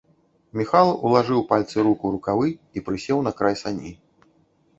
Міхал улажыў пальцы рук у рукавы і прысеў на край саней.